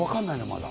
まだ。